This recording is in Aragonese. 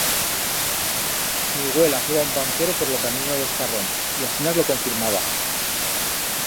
Mi güela feba un banquero por lo camino lo Escarrón y asinas lo confirmaba.